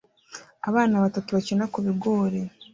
Abana batatu bakina ku bigori